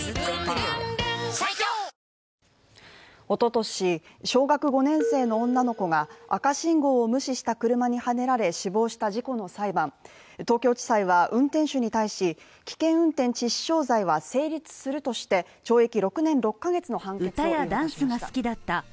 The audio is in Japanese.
おととし、小学５年生の女の子が赤信号を無視した車にはねられ死亡した事故の裁判東京地裁は運転手に対し危険運転致死傷罪は成立するとして懲役６年６カ月の判決を言い渡しました。